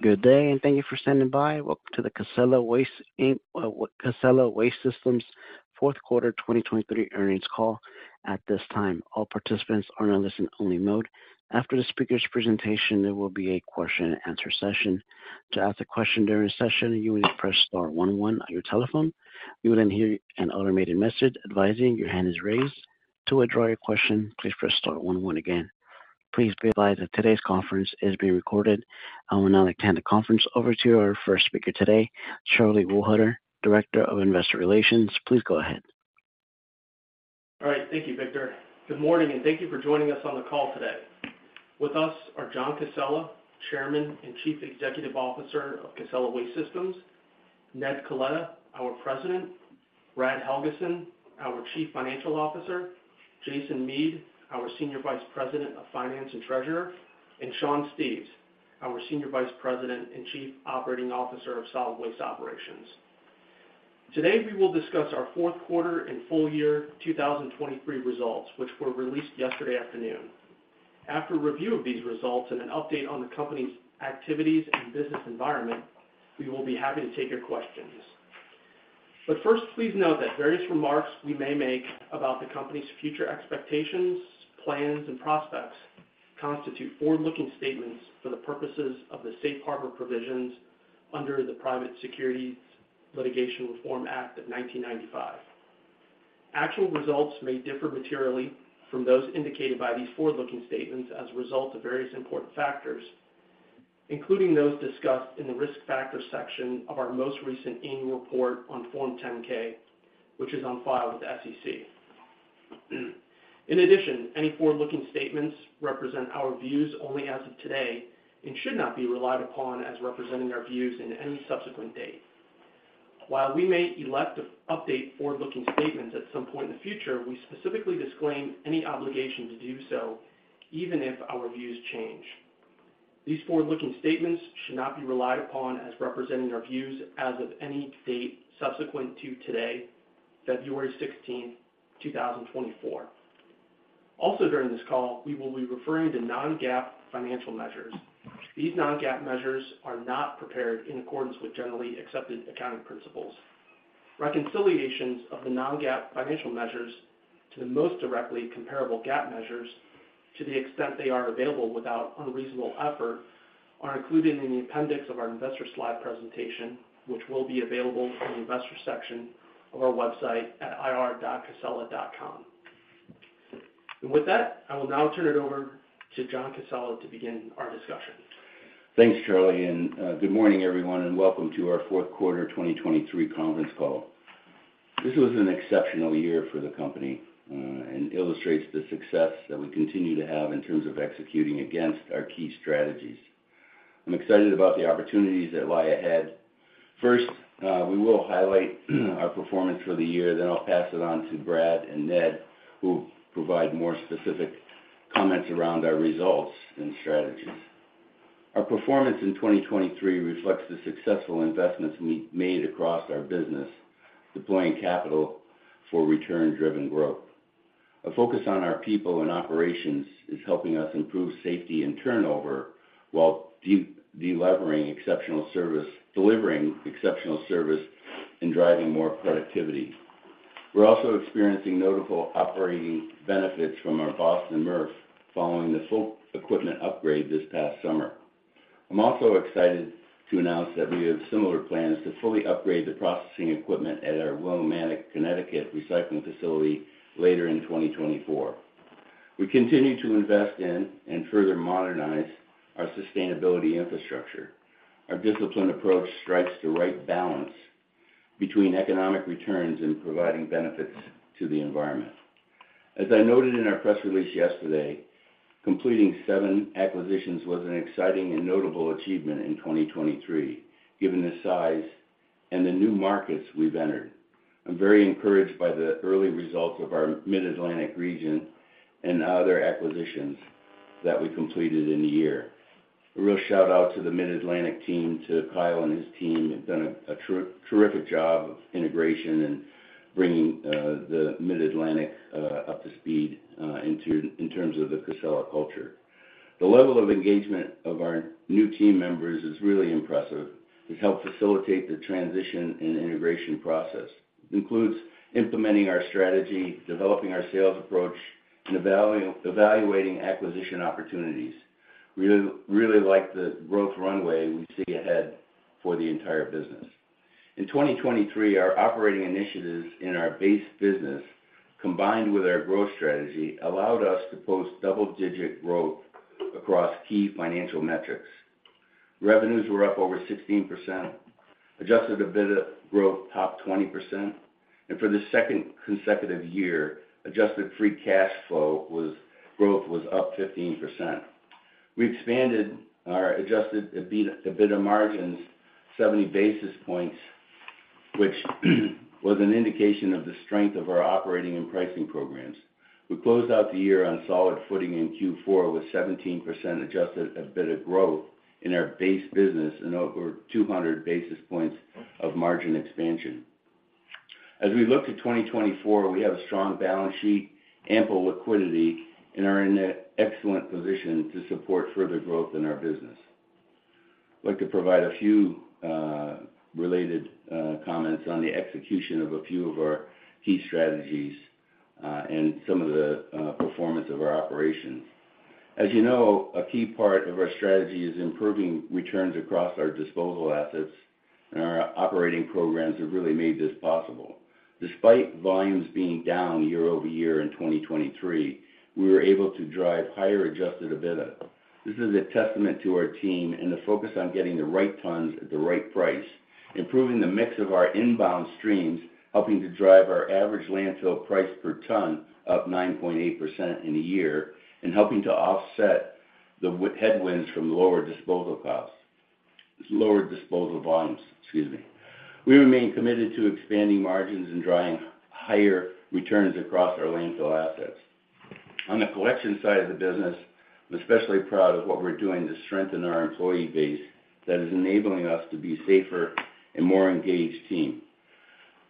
Good day, and thank you for standing by. Welcome to the Casella Waste Inc., Casella Waste Systems fourth quarter 2023 earnings call. At this time, all participants are on a listen-only mode. After the speaker's presentation, there will be a question-and-answer session. To ask a question during the session, you will press star one one on your telephone. You will then hear an automated message advising your hand is raised. To withdraw your question, please press star one one again. Please be advised that today's conference is being recorded. I will now hand the conference over to our first speaker today, Charlie Wohlhuter, Director of Investor Relations. Please go ahead. All right, thank you, Victor. Good morning, and thank you for joining us on the call today. With us are John Casella, Chairman and Chief Executive Officer of Casella Waste Systems; Ned Coletta, our President; Brad Helgeson, our Chief Financial Officer; Jason Mead, our Senior Vice President of Finance and Treasurer; and Sean Steves, our Senior Vice President and Chief Operating Officer of Solid Waste Operations. Today, we will discuss our fourth quarter and full year 2023 results, which were released yesterday afternoon. After a review of these results and an update on the company's activities and business environment, we will be happy to take your questions. First, please note that various remarks we may make about the company's future expectations, plans, and prospects constitute forward-looking statements for the purposes of the safe harbor provisions under the Private Securities Litigation Reform Act of 1995. Actual results may differ materially from those indicated by these forward-looking statements as a result of various important factors, including those discussed in the risk factors section of our most recent annual report on Form 10-K, which is on file with the SEC. In addition, any forward-looking statements represent our views only as of today and should not be relied upon as representing our views in any subsequent date. While we may elect to update forward-looking statements at some point in the future, we specifically disclaim any obligation to do so even if our views change. These forward-looking statements should not be relied upon as representing our views as of any date subsequent to today, February 16th, 2024. Also, during this call, we will be referring to non-GAAP financial measures. These non-GAAP measures are not prepared in accordance with generally accepted accounting principles. Reconciliations of the non-GAAP financial measures to the most directly comparable GAAP measures, to the extent they are available without unreasonable effort, are included in the appendix of our investor slide presentation, which will be available on the investor section of our website at ir.casella.com. And with that, I will now turn it over to John Casella to begin our discussion. Thanks, Charlie, and good morning, everyone, and welcome to our fourth quarter 2023 conference call. This was an exceptional year for the company, and illustrates the success that we continue to have in terms of executing against our key strategies. I'm excited about the opportunities that lie ahead. First, we will highlight our performance for the year, then I'll pass it on to Brad and Ned, who will provide more specific comments around our results and strategies. Our performance in 2023 reflects the successful investments we made across our business, deploying capital for return-driven growth. A focus on our people and operations is helping us improve safety and turnover while delivering exceptional service and driving more productivity. We're also experiencing notable operating benefits from our Boston MRF following the full equipment upgrade this past summer. I'm also excited to announce that we have similar plans to fully upgrade the processing equipment at our Willimantic, Connecticut, recycling facility later in 2024. We continue to invest in and further modernize our sustainability infrastructure. Our disciplined approach strikes the right balance between economic returns and providing benefits to the environment. As I noted in our press release yesterday, completing seven acquisitions was an exciting and notable achievement in 2023, given the size and the new markets we've entered. I'm very encouraged by the early results of our Mid-Atlantic region and other acquisitions that we completed in the year. A real shout-out to the Mid-Atlantic team, to Kyle and his team, they've done a terrific job of integration and bringing the Mid-Atlantic up to speed in terms of the Casella culture. The level of engagement of our new team members is really impressive. It helped facilitate the transition and integration process. Includes implementing our strategy, developing our sales approach, and evaluating acquisition opportunities. We really like the growth runway we see ahead for the entire business. In 2023, our operating initiatives in our base business, combined with our growth strategy, allowed us to post double-digit growth across key financial metrics. Revenues were up over 16%, Adjusted EBITDA growth topped 20%, and for the second consecutive year, Adjusted Free Cash Flow growth was up 15%. We expanded our Adjusted EBITDA margins 70 basis points, which was an indication of the strength of our operating and pricing programs. We closed out the year on solid footing in Q4 with 17% Adjusted EBITDA growth in our base business and over 200 basis points of margin expansion. As we look to 2024, we have a strong balance sheet, ample liquidity, and are in an excellent position to support further growth in our business. I'd like to provide a few related comments on the execution of a few of our key strategies and some of the performance of our operations. As you know, a key part of our strategy is improving returns across our disposal assets, and our operating programs have really made this possible. Despite volumes being down year over year in 2023, we were able to drive higher Adjusted EBITDA. This is a testament to our team and the focus on getting the right tons at the right price, improving the mix of our inbound streams, helping to drive our average landfill price per ton up 9.8% in a year, and helping to offset the headwinds from lower disposal costs. Lower disposal volumes, excuse me. We remain committed to expanding margins and driving higher returns across our landfill assets. On the collection side of the business, I'm especially proud of what we're doing to strengthen our employee base that is enabling us to be safer and more engaged team,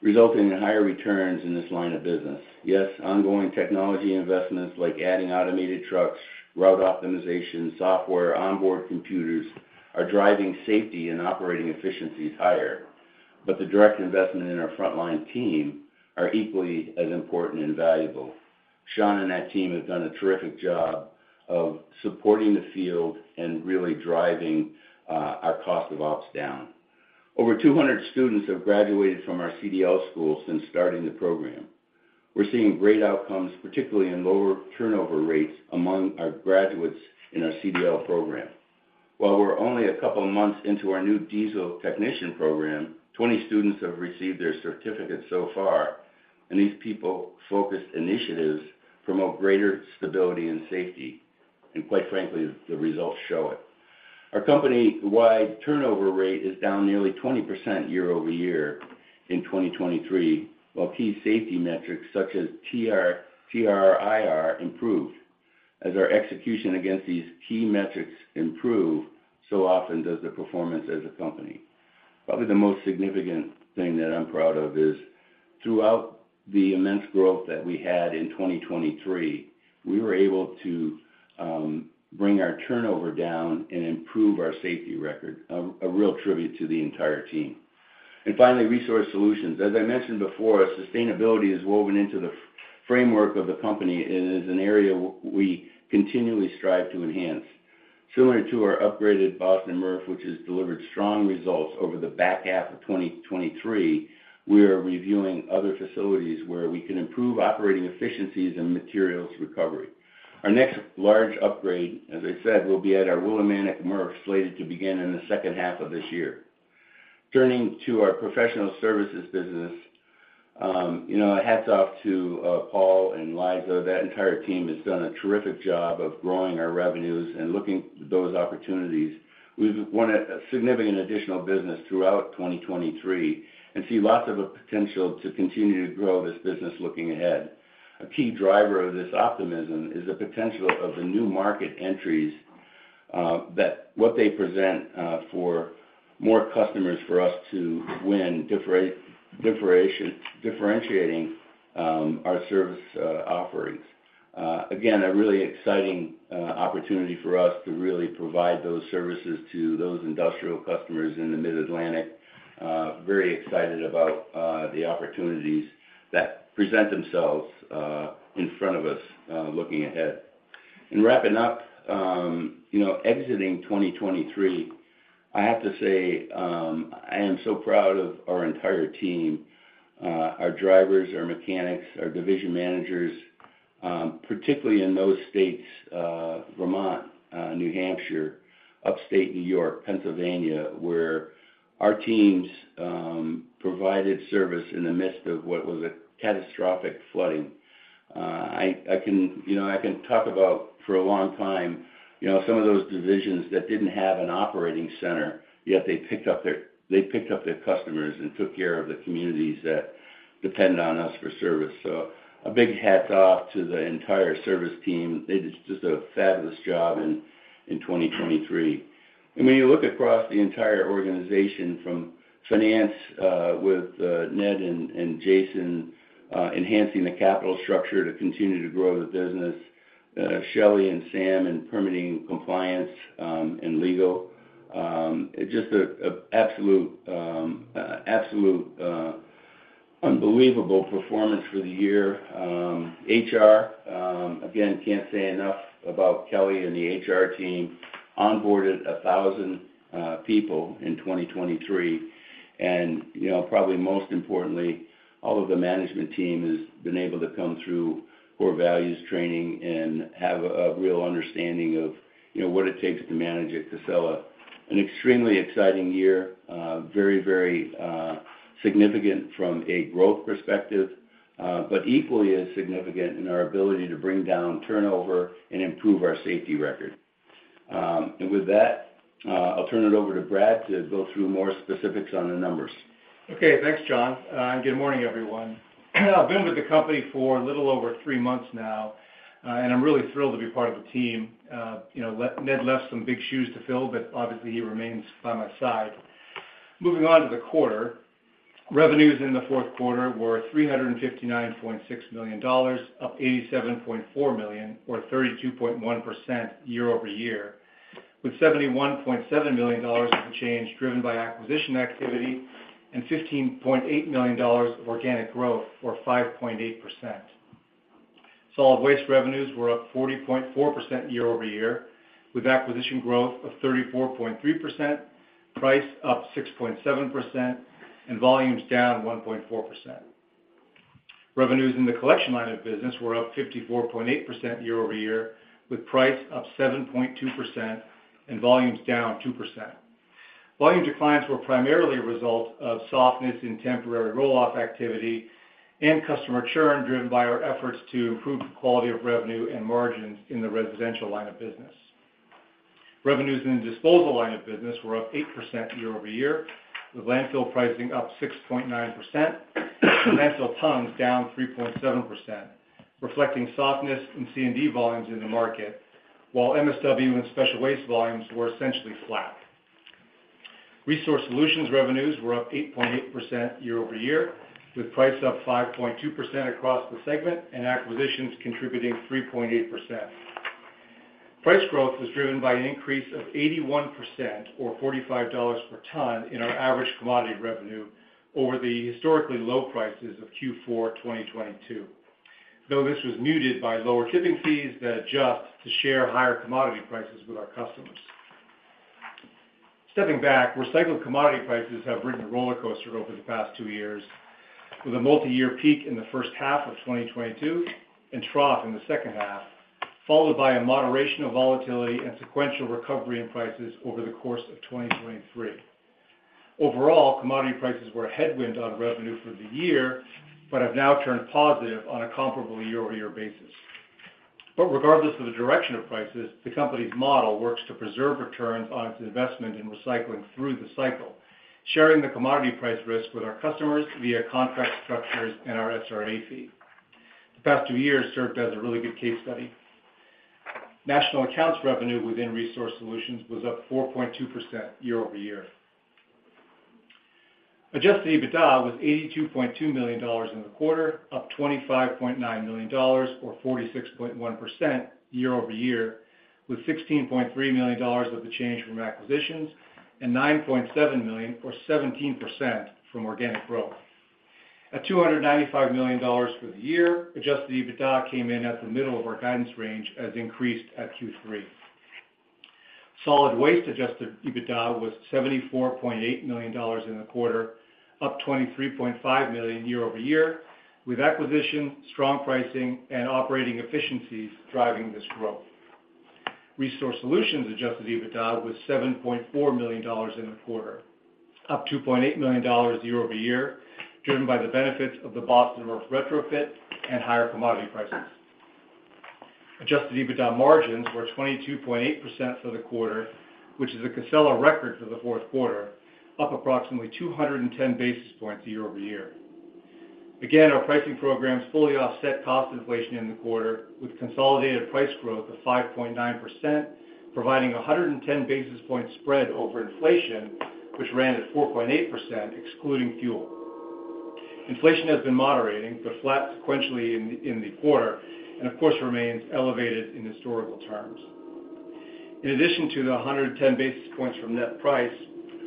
resulting in higher returns in this line of business. Yes, ongoing technology investments, like adding automated trucks, route optimization, software, onboard computers, are driving safety and operating efficiencies higher, but the direct investment in our frontline team are equally as important and valuable. Sean and that team have done a terrific job of supporting the field and really driving our cost of ops down. Over 200 students have graduated from our CDL school since starting the program. We're seeing great outcomes, particularly in lower turnover rates among our graduates in our CDL program. While we're only a couple of months into our new diesel technician program, 20 students have received their certificate so far, and these people-focused initiatives promote greater stability and safety, and quite frankly, the results show it. Our company-wide turnover rate is down nearly 20% year-over-year in 2023, while key safety metrics such as TRIR improved. As our execution against these key metrics improve, so often does the performance as a company. Probably the most significant thing that I'm proud of is throughout the immense growth that we had in 2023, we were able to bring our turnover down and improve our safety record, a real tribute to the entire team. And finally, resource solutions. As I mentioned before, sustainability is woven into the framework of the company and is an area we continually strive to enhance. Similar to our upgraded Boston MRF, which has delivered strong results over the back half of 2023, we are reviewing other facilities where we can improve operating efficiencies and materials recovery. Our next large upgrade, as I said, will be at our Willimantic MRF, slated to begin in the second half of this year. Turning to our professional services business, you know, hats off to Paul and Liza. That entire team has done a terrific job of growing our revenues and looking those opportunities. We've won a significant additional business throughout 2023 and see lots of a potential to continue to grow this business looking ahead. A key driver of this optimism is the potential of the new market entries that what they present for more customers for us to win, differentiating our service offerings. Again, a really exciting opportunity for us to really provide those services to those industrial customers in the Mid-Atlantic. Very excited about the opportunities that present themselves in front of us looking ahead. In wrapping up, you know, exiting 2023, I have to say, I am so proud of our entire team, our drivers, our mechanics, our division managers, particularly in those states, Vermont, New Hampshire, Upstate New York, Pennsylvania, where our teams provided service in the midst of what was a catastrophic flooding. I can. You know, I can talk about for a long time, you know, some of those divisions that didn't have an operating center, yet they picked up their customers and took care of the communities that depend on us for service. So a big hats off to the entire service team. They did just a fabulous job in 2023. And when you look across the entire organization, from finance, with Ned and Jason enhancing the capital structure to continue to grow the business, Shelley and Sam in permitting compliance, and legal, it's just an absolute unbelievable performance for the year. HR, again, can't say enough about Kelly and the HR team, onboarded 1,000 people in 2023. And, you know, probably most importantly, all of the management team has been able to come through core values training and have a real understanding of, you know, what it takes to manage at Casella. An extremely exciting year, very, very significant from a growth perspective, but equally as significant in our ability to bring down turnover and improve our safety record. With that, I'll turn it over to Brad to go through more specifics on the numbers. Okay, thanks, John, and good morning, everyone. I've been with the company for a little over three months now, and I'm really thrilled to be part of the team. You know, Ned left some big shoes to fill, but obviously, he remains by my side. Moving on to the quarter. Revenues in the fourth quarter were $359.6 million, up $87.4 million, or 32.1% year-over-year, with $71.7 million of change driven by acquisition activity and $15.8 million of organic growth, or 5.8%. Solid waste revenues were up 40.4% year-over-year, with acquisition growth of 34.3%, price up 6.7%, and volumes down 1.4%. Revenues in the collection line of business were up 54.8% year-over-year, with price up 7.2% and volumes down 2%. Volume declines were primarily a result of softness in temporary roll-off activity and customer churn, driven by our efforts to improve the quality of revenue and margins in the residential line of business. Revenues in the disposal line of business were up 8% year-over-year, with landfill pricing up 6.9%, landfill tons down 3.7%, reflecting softness in C&D volumes in the market, while MSW and special waste volumes were essentially flat. Resource Solutions revenues were up 8.8% year-over-year, with price up 5.2% across the segment and acquisitions contributing 3.8%. Price growth was driven by an increase of 81% or $45 per ton in our average commodity revenue over the historically low prices of Q4 2022, though this was muted by lower tipping fees that adjust to share higher commodity prices with our customers. Stepping back, recycled commodity prices have ridden a rollercoaster over the past two years, with a multiyear peak in the first half of 2022 and trough in the second half, followed by a moderation of volatility and sequential recovery in prices over the course of 2023. Overall, commodity prices were a headwind on revenue for the year, but have now turned positive on a comparable year-over-year basis. But regardless of the direction of prices, the company's model works to preserve returns on its investment in recycling through the cycle, sharing the commodity price risk with our customers via contract structures and our SRA fee. The past two years served as a really good case study. National accounts revenue within Resource Solutions was up 4.2% year-over-year. Adjusted EBITDA was $82.2 million in the quarter, up $25.9 million, or 46.1% year-over-year, with $16.3 million of the change from acquisitions and $9.7 million, or 17%, from organic growth. At $295 million for the year, Adjusted EBITDA came in at the middle of our guidance range, as increased at Q3. Solid Waste Adjusted EBITDA was $74.8 million in the quarter, up $23.5 million year-over-year, with acquisition, strong pricing, and operating efficiencies driving this growth. Resource Solutions Adjusted EBITDA was $7.4 million in the quarter, up $2.8 million year-over-year, driven by the benefits of the Boston MRF retrofit and higher commodity prices. Adjusted EBITDA margins were 22.8% for the quarter, which is a Casella record for the fourth quarter, up approximately 210 basis points year-over-year. Again, our pricing programs fully offset cost inflation in the quarter, with consolidated price growth of 5.9%, providing a 110 basis point spread over inflation, which ran at 4.8%, excluding fuel. Inflation has been moderating, but flat sequentially in the quarter, and of course, remains elevated in historical terms. In addition to the 110 basis points from net price,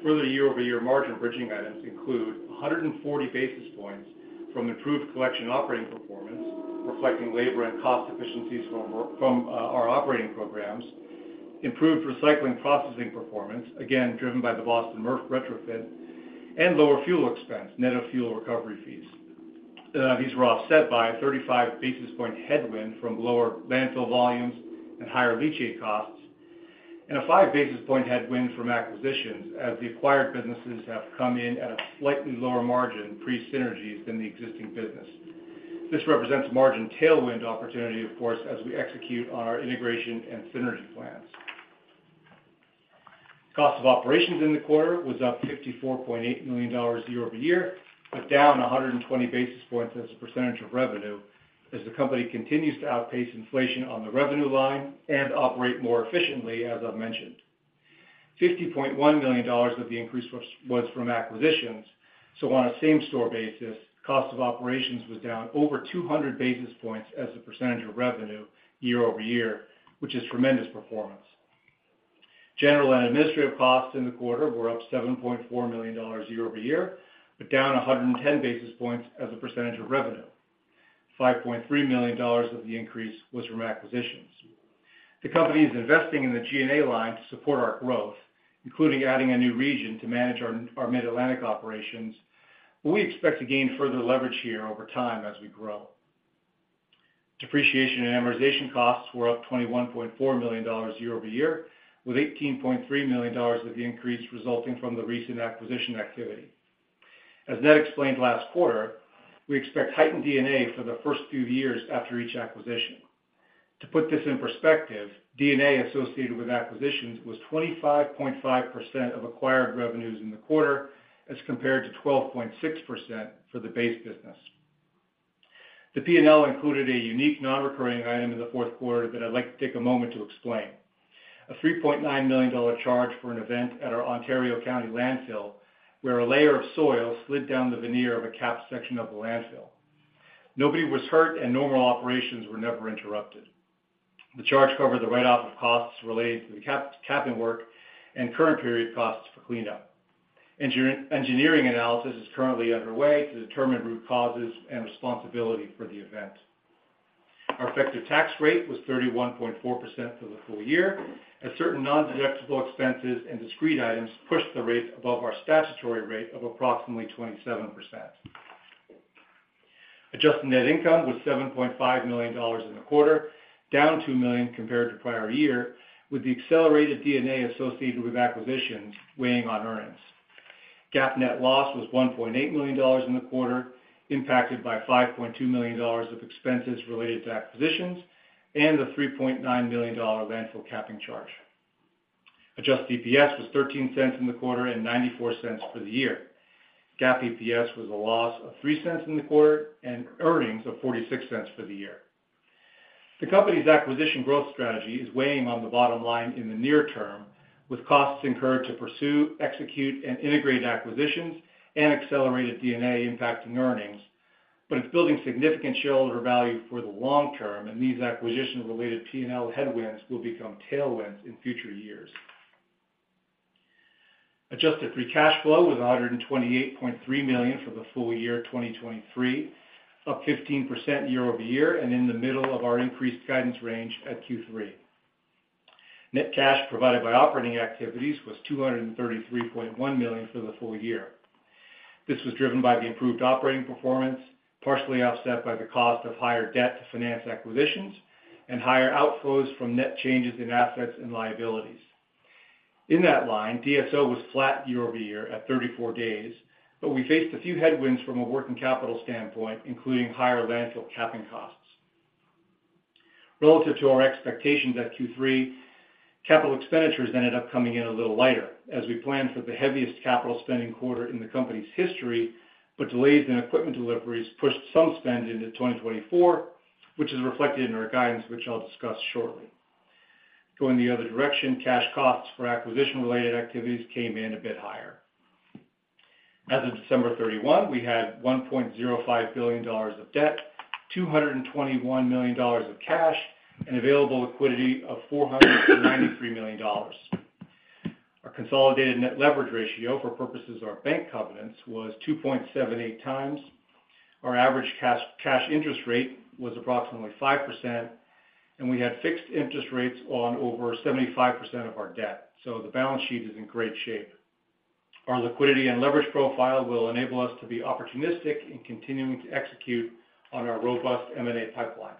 further year-over-year margin bridging items include 140 basis points from improved collection operating performance, reflecting labor and cost efficiencies from our operating programs. Improved recycling processing performance, again, driven by the Boston MRF retrofit. And lower fuel expense, net of fuel recovery fees. These were offset by a 35 basis point headwind from lower landfill volumes and higher leachate costs, and a five basis point headwind from acquisitions, as the acquired businesses have come in at a slightly lower margin, pre-synergies than the existing business. This represents margin tailwind opportunity, of course, as we execute on our integration and synergy plans. Cost of operations in the quarter was up $54.8 million year-over-year, but down 120 basis points as a percentage of revenue, as the company continues to outpace inflation on the revenue line and operate more efficiently, as I've mentioned. $50.1 million of the increase was from acquisitions, so on a same-store basis, cost of operations was down over 200 basis points as a percentage of revenue year-over-year, which is tremendous performance. General and administrative costs in the quarter were up $7.4 million year-over-year, but down 110 basis points as a percentage of revenue. $5.3 million of the increase was from acquisitions. The company is investing in the G&A line to support our growth, including adding a new region to manage our Mid-Atlantic operations, but we expect to gain further leverage here over time as we grow. Depreciation and amortization costs were up $21.4 million year-over-year, with $18.3 million of the increase resulting from the recent acquisition activity. As Ned explained last quarter, we expect heightened D&A for the first few years after each acquisition. To put this in perspective, D&A associated with acquisitions was 25.5% of acquired revenues in the quarter, as compared to 12.6% for the base business. The P&L included a unique non-recurring item in the fourth quarter that I'd like to take a moment to explain. A $3.9 million charge for an event at our Ontario County landfill, where a layer of soil slid down the veneer of a capped section of the landfill. Nobody was hurt, and normal operations were never interrupted. The charge covered the write-off of costs related to the capping work and current period costs for cleanup. Engineering analysis is currently underway to determine root causes and responsibility for the event. Our effective tax rate was 31.4% for the full year, as certain non-deductible expenses and discrete items pushed the rate above our statutory rate of approximately 27%. Adjusted net income was $7.5 million in the quarter, down $2 million compared to prior year, with the accelerated D&A associated with acquisitions weighing on earnings. GAAP net loss was $1.8 million in the quarter, impacted by $5.2 million of expenses related to acquisitions and the $3.9 million landfill capping charge. Adjusted EPS was $0.13 in the quarter and $0.94 for the year. GAAP EPS was a loss of $0.03 in the quarter and earnings of $0.46 for the year. The company's acquisition growth strategy is weighing on the bottom line in the near term, with costs incurred to pursue, execute, and integrate acquisitions, and accelerated D&A impacting earnings, but it's building significant shareholder value for the long-term, and these acquisition-related P&L headwinds will become tailwinds in future years. Adjusted Free Cash Flow was $128.3 million for the full year 2023, up 15% year-over-year, and in the middle of our increased guidance range at Q3. Net cash provided by operating activities was $233.1 million for the full year. This was driven by the improved operating performance, partially offset by the cost of higher debt to finance acquisitions and higher outflows from net changes in assets and liabilities. In that line, DSO was flat year-over-year at 34 days, but we faced a few headwinds from a working capital standpoint, including higher landfill capping costs. Relative to our expectations at Q3, capital expenditures ended up coming in a little lighter, as we planned for the heaviest capital spending quarter in the company's history, but delays in equipment deliveries pushed some spend into 2024, which is reflected in our guidance, which I'll discuss shortly. Going the other direction, cash costs for acquisition-related activities came in a bit higher. As of December 31, we had $1.05 billion of debt, $221 million of cash, and available liquidity of $493 million. Our consolidated net leverage ratio for purposes of our bank covenants was 2.78x. Our average cash interest rate was approximately 5%, and we had fixed interest rates on over 75% of our debt, so the balance sheet is in great shape. Our liquidity and leverage profile will enable us to be opportunistic in continuing to execute on our robust M&A pipeline.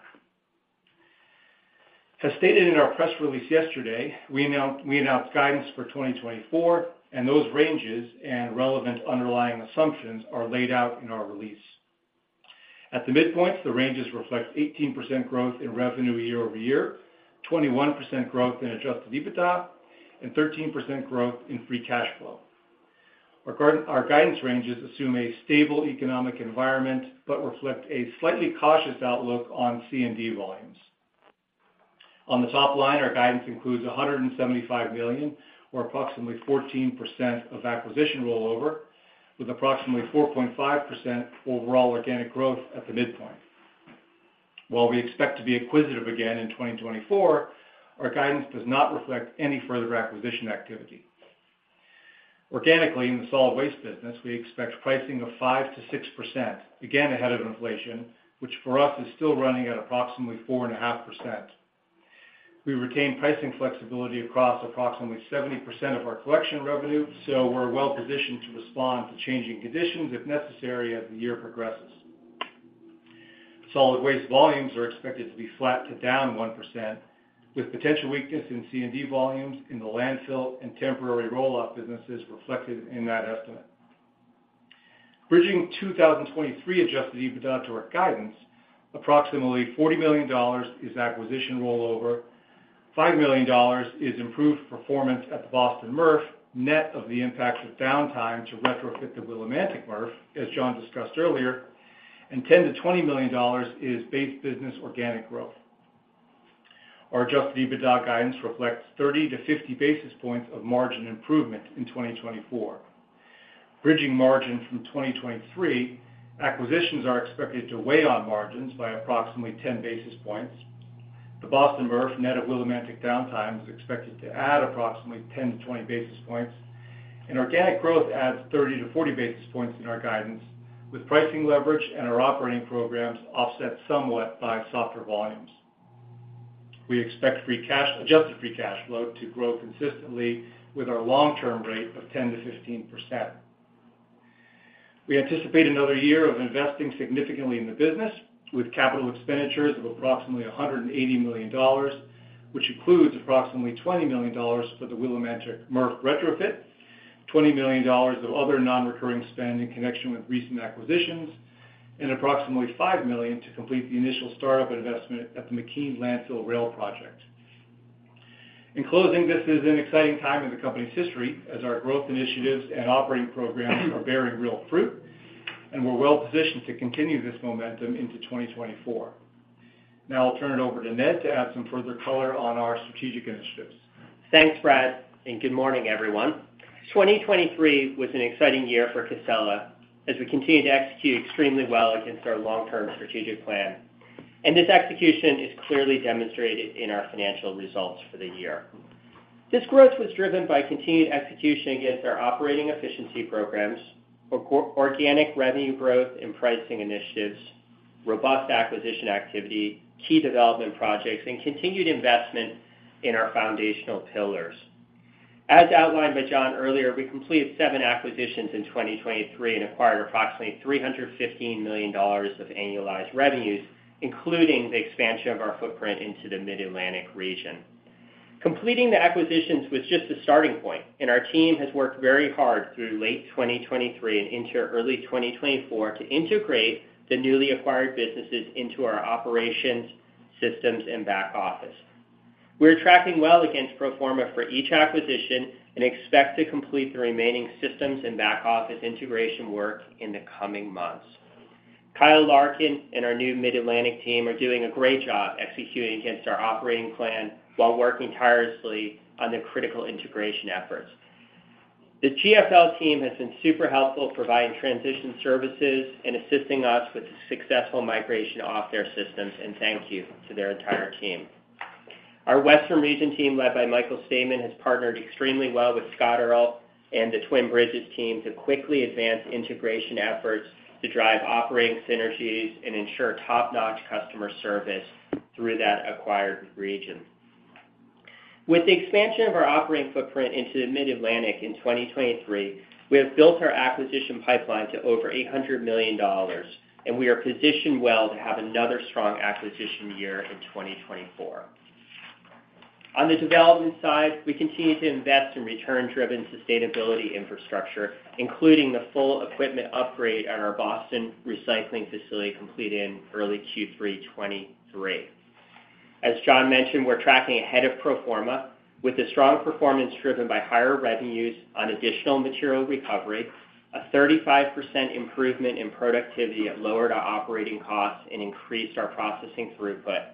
As stated in our press release yesterday, we announced guidance for 2024, and those ranges and relevant underlying assumptions are laid out in our release. At the midpoint, the ranges reflect 18% growth in revenue year-over-year, 21% growth in Adjusted EBITDA, and 13% growth in free cash flow. Our guidance ranges assume a stable economic environment but reflect a slightly cautious outlook on C&D volumes. On the top line, our guidance includes $175 million, or approximately 14% of acquisition rollover, with approximately 4.5% overall organic growth at the midpoint. While we expect to be acquisitive again in 2024, our guidance does not reflect any further acquisition activity. Organically, in the solid waste business, we expect pricing of 5%-6%, again ahead of inflation, which for us is still running at approximately 4.5%. We retain pricing flexibility across approximately 70% of our collection revenue, so we're well positioned to respond to changing conditions if necessary, as the year progresses. Solid waste volumes are expected to be flat to down 1%, with potential weakness in C&D volumes in the landfill and temporary roll-off businesses reflected in that estimate. Bridging 2023 Adjusted EBITDA to our guidance, approximately $40 million is acquisition rollover, $5 million is improved performance at the Boston MRF, net of the impacts of downtime to retrofit the Willimantic MRF, as John discussed earlier, and $10 million-$20 million is base business organic growth. Our Adjusted EBITDA guidance reflects 30-50 basis points of margin improvement in 2024. Bridging margin from 2023, acquisitions are expected to weigh on margins by approximately 10 basis points. The Boston MRF, net of Willimantic downtime, is expected to add approximately 10-20 basis points, and organic growth adds 30-40 basis points in our guidance, with pricing leverage and our operating programs offset somewhat by softer volumes. We expect adjusted free cash flow to grow consistently with our long-term rate of 10%-15%. We anticipate another year of investing significantly in the business, with capital expenditures of approximately $180 million, which includes approximately $20 million for the Willimantic MRF retrofit. $20 million of other non-recurring spend in connection with recent acquisitions, and approximately $5 million to complete the initial startup investment at the McKean Landfill Rail Project. In closing, this is an exciting time in the company's history, as our growth initiatives and operating programs are bearing real fruit, and we're well-positioned to continue this momentum into 2024. Now I'll turn it over to Ned to add some further color on our strategic initiatives. Thanks, Brad, and good morning, everyone. 2023 was an exciting year for Casella, as we continued to execute extremely well against our long-term strategic plan. This execution is clearly demonstrated in our financial results for the year. This growth was driven by continued execution against our operating efficiency programs, or organic revenue growth and pricing initiatives, robust acquisition activity, key development projects, and continued investment in our Foundational Pillars. As outlined by John earlier, we completed seven acquisitions in 2023 and acquired approximately $315 million of annualized revenues, including the expansion of our footprint into the Mid-Atlantic region. Completing the acquisitions was just the starting point, and our team has worked very hard through late 2023 and into early 2024 to integrate the newly acquired businesses into our operations, systems, and back office. We're tracking well against pro forma for each acquisition and expect to complete the remaining systems and back-office integration work in the coming months. Kyle Larkin and our new Mid-Atlantic team are doing a great job executing against our operating plan while working tirelessly on the critical integration efforts. The GFL team has been super helpful providing transition services and assisting us with the successful migration off their systems, and thank you to their entire team. Our Western region team, led by Michael Stehman, has partnered extremely well with Scott Earl and the Twin Bridges team to quickly advance integration efforts to drive operating synergies and ensure top-notch customer service through that acquired region. With the expansion of our operating footprint into the Mid-Atlantic in 2023, we have built our acquisition pipeline to over $800 million, and we are positioned well to have another strong acquisition year in 2024. On the development side, we continue to invest in return-driven sustainability infrastructure, including the full equipment upgrade at our Boston Recycling Facility, completed in early Q3 2023. As John mentioned, we're tracking ahead of pro forma, with a strong performance driven by higher revenues on additional material recovery, a 35% improvement in productivity that lowered our operating costs and increased our processing throughput.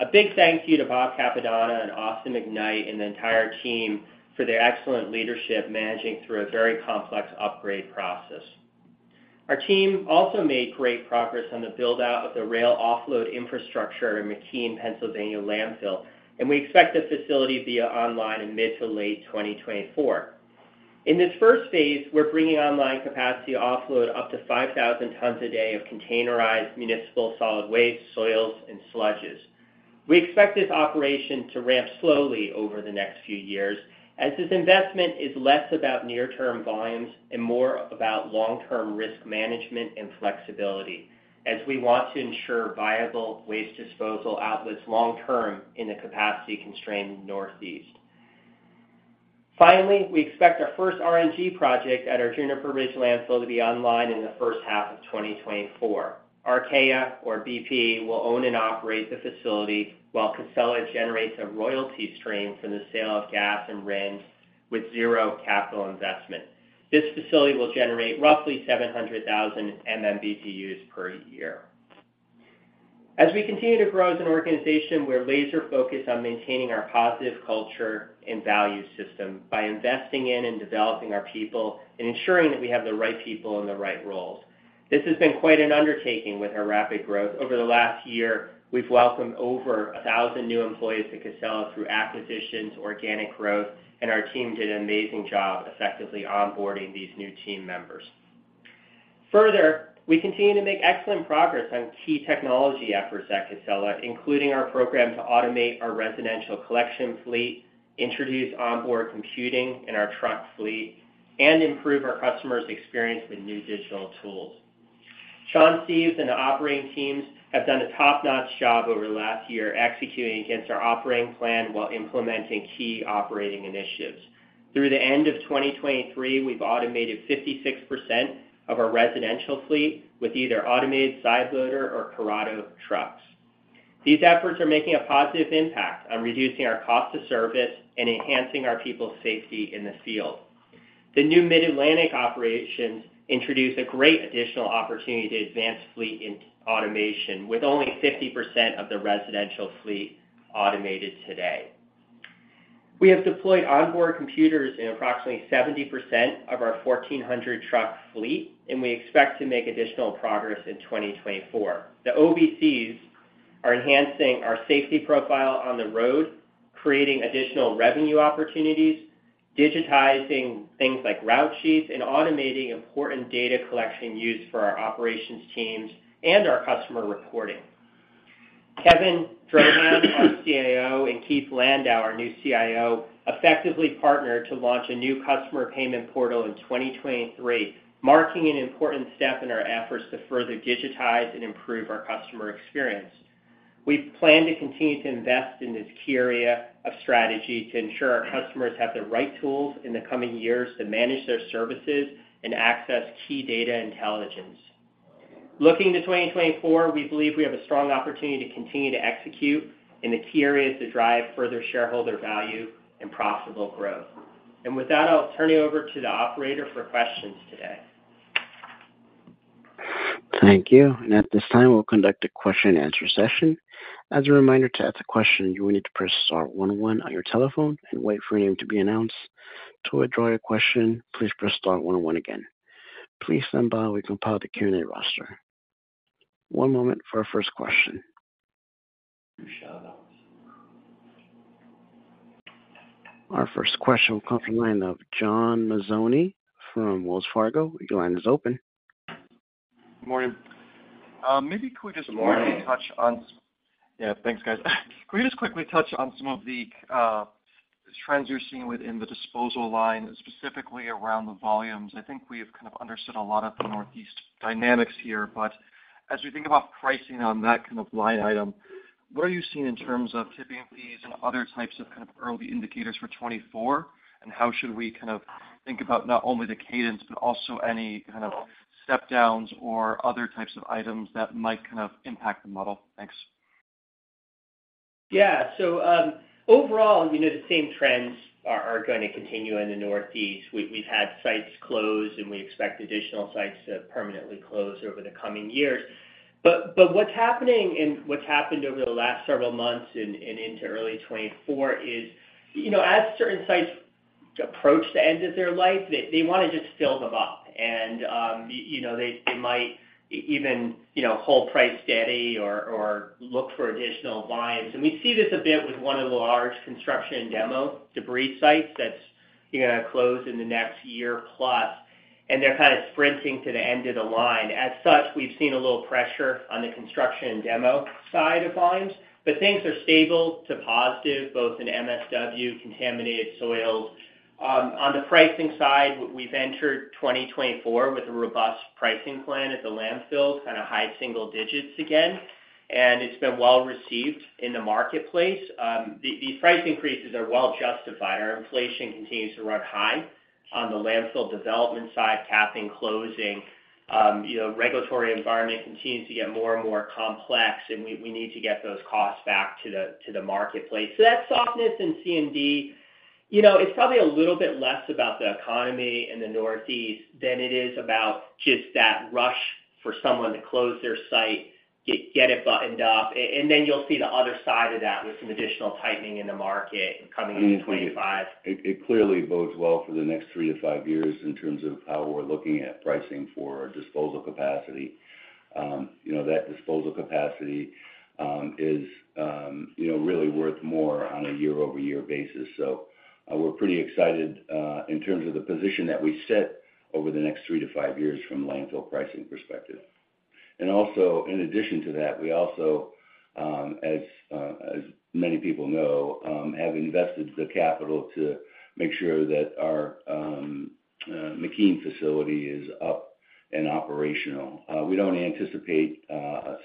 A big thank you to Bob Cappadona and Austin McKnight and the entire team for their excellent leadership, managing through a very complex upgrade process. Our team also made great progress on the build-out of the rail offload infrastructure in McKean, Pennsylvania landfill, and we expect the facility to be online in mid- to late 2024. In this first phase, we're bringing online capacity to offload up to 5,000 tons a day of containerized municipal solid waste, soils, and sludges. We expect this operation to ramp slowly over the next few years, as this investment is less about near-term volumes and more about long-term risk management and flexibility, as we want to ensure viable waste disposal outlets long-term in the capacity-constrained Northeast. Finally, we expect our first RNG project at our Juniper Ridge Landfill to be online in the first half of 2024. Archaea or BP will own and operate the facility, while Casella generates a royalty stream from the sale of gas and RINs with zero capital investment. This facility will generate roughly 700,000 MMBtu per year. As we continue to grow as an organization, we're laser-focused on maintaining our positive culture and value system by investing in and developing our people and ensuring that we have the right people in the right roles. This has been quite an undertaking with our rapid growth. Over the last year, we've welcomed over 1,000 new employees to Casella through acquisitions, organic growth, and our team did an amazing job effectively onboarding these new team members. Further, we continue to make excellent progress on key technology efforts at Casella, including our program to automate our residential collection fleet, introduce onboard computing in our truck fleet, and improve our customers' experience with new digital tools. Sean Steves and the operating teams have done a top-notch job over the last year, executing against our operating plan while implementing key operating initiatives. Through the end of 2023, we've automated 56% of our residential fleet with either automated side loader or Curotto trucks. These efforts are making a positive impact on reducing our cost of service and enhancing our people's safety in the field. The new Mid-Atlantic operations introduce a great additional opportunity to advance fleet in automation, with only 50% of the residential fleet automated today. We have deployed onboard computers in approximately 70% of our 1,400 Truck Fleet, and we expect to make additional progress in 2024. The OBCs are enhancing our safety profile on the road, creating additional revenue opportunities, digitizing things like route sheets, and automating important data collection used for our operations teams and our customer reporting. Kevin Drohan, our CIO, and Keith Landau, our new CIO, effectively partnered to launch a new Customer Payment Portal in 2023, marking an important step in our efforts to further digitize and improve our customer experience. We plan to continue to invest in this key area of strategy to ensure our customers have the right tools in the coming years to manage their services and access key data intelligence. Looking to 2024, we believe we have a strong opportunity to continue to execute in the key areas to drive further shareholder value and profitable growth. And with that, I'll turn you over to the operator for questions today. Thank you. At this time, we'll conduct a question-and-answer session. As a reminder, to ask a question, you will need to press star one one on your telephone and wait for your name to be announced. To withdraw your question, please press star one one again. Please stand by while we compile the Q&A roster. One moment for our first question. Our first question will come from the line of John Mazzoni from Wells Fargo. Your line is open. Good morning. Maybe could we just. Good morning. Yeah, thanks, guys. Could we just quickly touch on some of the trends you're seeing within the disposal line, specifically around the volumes? I think we've kind of understood a lot of the Northeast dynamics here, but as we think about pricing on that kind of line item, what are you seeing in terms of tipping fees and other types of kind of early indicators for 2024? And how should we kind of think about not only the cadence, but also any kind of step downs or other types of items that might kind of impact the model? Thanks. Yeah. So, overall, you know, the same trends are going to continue in the Northeast. We've had sites close, and we expect additional sites to permanently close over the coming years. But what's happening and what's happened over the last several months and into early 2024 is, you know, as certain sites approach the end of their life, they want to just fill them up. And, you know, they might even, you know, hold price steady or look for additional volumes. And we see this a bit with one of the large construction demo debris sites that's, you know, close in the next year plus, and they're kind of sprinting to the end of the line. As such, we've seen a little pressure on the construction and demo side of volumes, but things are stable to positive, both in MSW, contaminated soils. On the pricing side, we've entered 2024 with a robust pricing plan at the landfills, kind of high single digits again, and it's been well received in the marketplace. These price increases are well justified. Our inflation continues to run high on the landfill development side, capping, closing. You know, regulatory environment continues to get more and more complex, and we need to get those costs back to the marketplace. So that softness in C&D, you know, it's probably a little bit less about the economy in the Northeast than it is about just that rush for someone to close their site, get it buttoned up. And then you'll see the other side of that, with some additional tightening in the market coming into 25. It clearly bodes well for the next 3-5 years in terms of how we're looking at pricing for our disposal capacity. You know, that disposal capacity is, you know, really worth more on a year-over-year basis. So we're pretty excited in terms of the position that we set over the next 3-5 year from landfill pricing perspective. And also, in addition to that, we also, as many people know, have invested the capital to make sure that our McKean facility is up and operational. We don't anticipate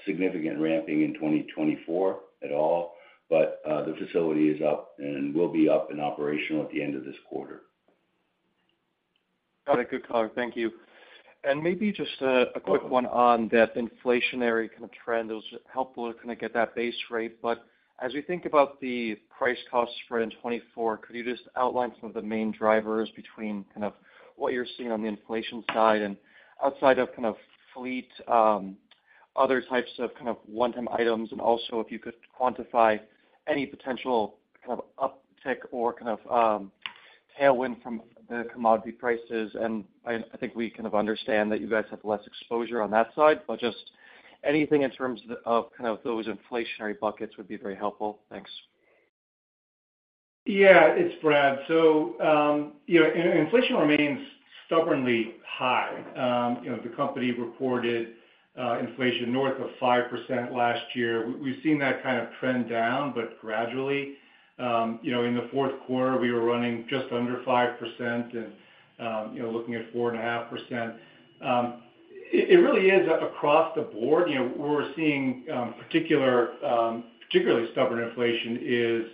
significant ramping in 2024 at all, but the facility is up and will be up and operational at the end of this quarter. Got it. Good call. Thank you. And maybe just a quick one on that inflationary kind of trend. It was helpful to kind of get that base rate, but as we think about the price cost spread in 2024, could you just outline some of the main drivers between kind of what you're seeing on the inflation side and outside of kind of fleet, other types of kind of one-time items? And also, if you could quantify any potential kind of uptick or kind of tailwind from the commodity prices. And I think we kind of understand that you guys have less exposure on that side, but just anything in terms of of kind of those inflationary buckets would be very helpful. Thanks. Yeah. It's Brad. So, you know, and inflation remains stubbornly high. You know, the company reported inflation north of 5% last year. We've seen that kind of trend down, but gradually. You know, in the fourth quarter, we were running just under 5% and, you know, looking at 4.5%. It really is across the board. You know, where we're seeing particular, particularly stubborn inflation is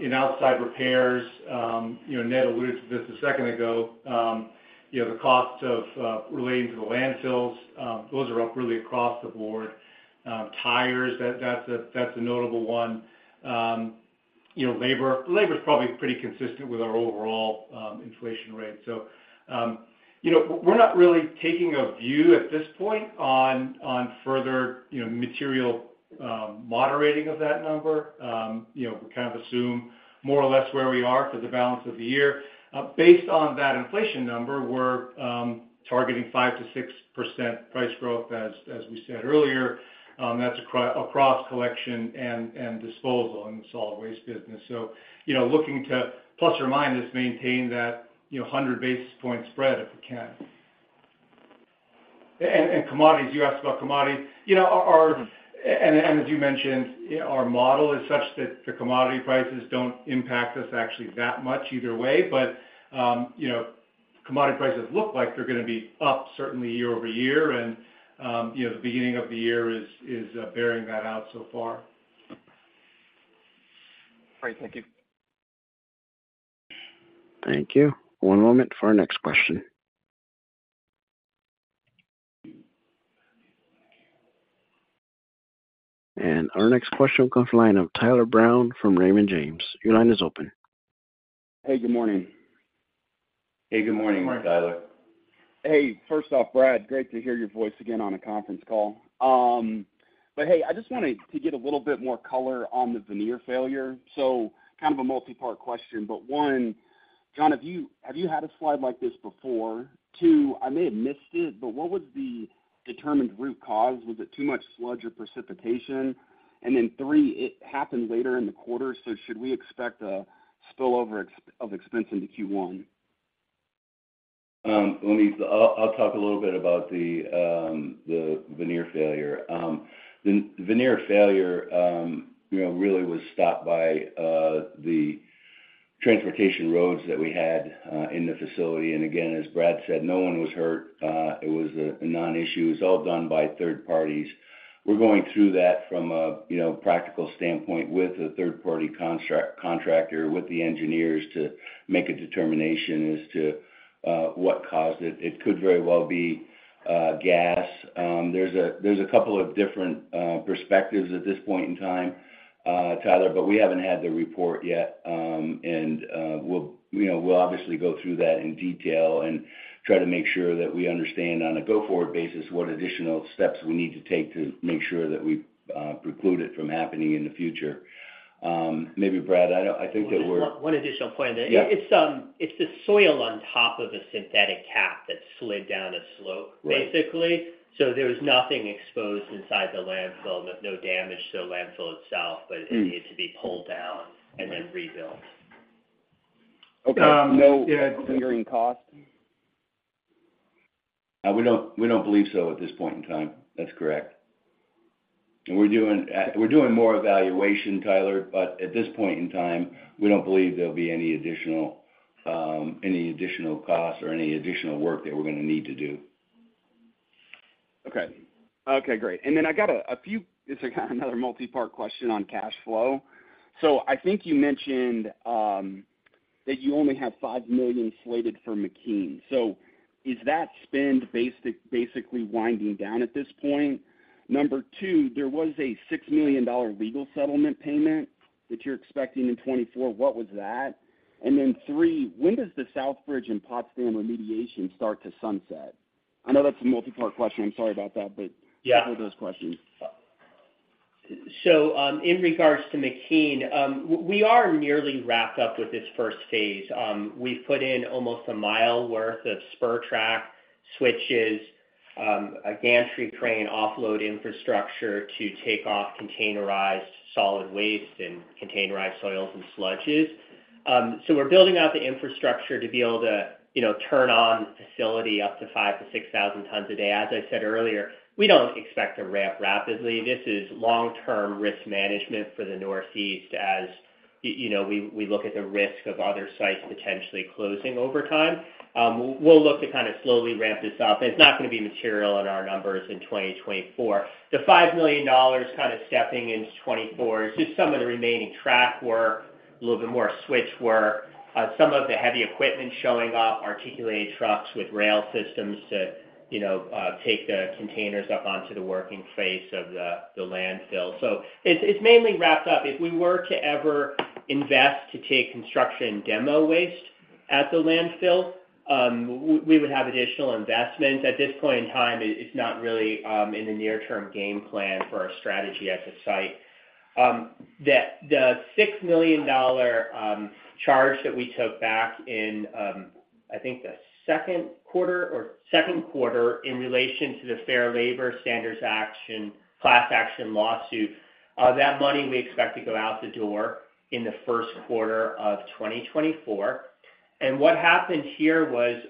in outside repairs. You know, Ned alluded to this a second ago. You know, the cost of relating to the landfills, those are up really across the board. Tires, that's a notable one. You know, labor. Labor is probably pretty consistent with our overall inflation rate. So, you know, we're not really taking a view at this point on further, you know, material moderating of that number. You know, we kind of assume more or less where we are for the balance of the year. Based on that inflation number, we're targeting 5%-6% price growth, as we said earlier. That's across collection and disposal in the solid waste business. So, you know, looking to ± maintain that, you know, 100 basis point spread, if we can. And commodities, you asked about commodities. You know, our – and as you mentioned, our model is such that the commodity prices don't impact us actually that much either way. But, you know. Commodity prices look like they're gonna be up certainly year over year, and, you know, the beginning of the year is bearing that out so far. Great. Thank you. Thank you. One moment for our next question. Our next question comes from the line of Tyler Brown from Raymond James. Your line is open. Hey, good morning. Hey, good morning, Tyler. Hey, first off, Brad, great to hear your voice again on a conference call. But, hey, I just wanted to get a little bit more color on the veneer failure. So kind of a multi-part question, but one, John, have you had a slide like this before? Two, I may have missed it, but what was the determined root cause? Was it too much sludge or precipitation? And then three, it happened later in the quarter, so should we expect a spillover of expense into Q1? Let me—I'll talk a little bit about the veneer failure. The veneer failure, you know, really was stopped by the transportation roads that we had in the facility. And again, as Brad said, no one was hurt. It was a non-issue. It was all done by third parties. We're going through that from a, you know, practical standpoint with a third-party contractor, with the engineers to make a determination as to what caused it. It could very well be gas. There's a couple of different perspectives at this point in time, Tyler, but we haven't had the report yet. We'll, you know, we'll obviously go through that in detail and try to make sure that we understand on a go-forward basis what additional steps we need to take to make sure that we preclude it from happening in the future. Maybe, Brad, I think that we're. One additional point. Yeah. It's the soil on top of a synthetic cap that slid down a slope. Right. Basically. So there's nothing exposed inside the landfill, but no damage to the landfill itself, but. Mm. It needs to be pulled down and then rebuilt. Okay. No engineering cost? We don't, we don't believe so at this point in time. That's correct. And we're doing, we're doing more evaluation, Tyler, but at this point in time, we don't believe there'll be any additional, any additional costs or any additional work that we're gonna need to do. Okay. Okay, great. Then I got a few. It's another multi-part question on cash flow. So I think you mentioned that you only have $5 million slated for McKean. So is that spend basically winding down at this point? Number two, there was a $6 million legal settlement payment that you're expecting in 2024. What was that? And then three, when does the Southbridge and Potsdam remediation start to sunset? I know that's a multi-part question. I'm sorry about that, but. Yeah. Those are those questions. So, in regards to McKean, we are nearly wrapped up with this first phase. We've put in almost a mile worth of spur track, switches, a gantry crane, offload infrastructure to take off containerized solid waste and containerized soils and sludges. So we're building out the infrastructure to be able to, you know, turn on facility up to 5,000-6,000 tons a day. As I said earlier, we don't expect to ramp rapidly. This is long-term risk management for the Northeast as, you know, we look at the risk of other sites potentially closing over time. We'll look to kind of slowly ramp this up, and it's not gonna be material in our numbers in 2024. The $5 million kind of stepping into 2024 is just some of the remaining track work, a little bit more switch work, some of the heavy equipment showing up, articulated trucks with rail systems to, you know, take the containers up onto the working face of the landfill. So it's mainly wrapped up. If we were to ever invest to take construction demo waste at the landfill, we would have additional investment. At this point in time, it's not really in the near-term game plan for our strategy at the site. The $6 million charge that we took back in, I think the second quarter or second quarter in relation to the Fair Labor Standards Act class action lawsuit, that money we expect to go out the door in the first quarter of 2024. And what happened here was,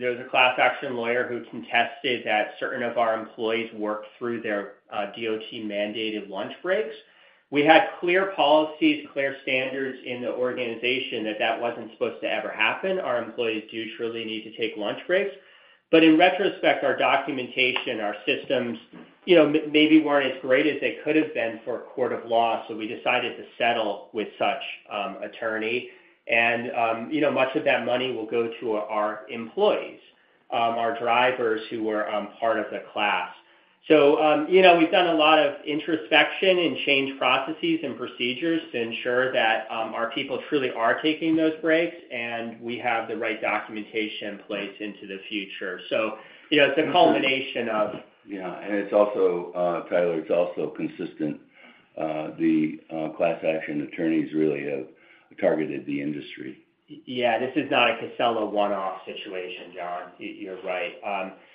there was a class action lawyer who contested that certain of our employees worked through their DOT-mandated lunch breaks. We had clear policies, clear standards in the organization that that wasn't supposed to ever happen. Our employees do truly need to take lunch breaks. But in retrospect, our documentation, our systems, you know, maybe weren't as great as they could have been for a court of law, so we decided to settle with such attorney. And you know, much of that money will go to our employees, our drivers who were part of the class. So you know, we've done a lot of introspection and changed processes and procedures to ensure that our people truly are taking those breaks, and we have the right documentation in place into the future. You know, it's a culmination of. Yeah, and it's also, Tyler, it's also consistent. The class action attorneys really have targeted the industry. Yeah, this is not a Casella one-off situation, John. You're right.